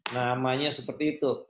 namanya seperti itu